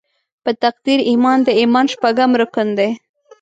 په تقدیر ایمان د ایمان شپږم رکن دې.